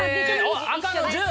赤の１０！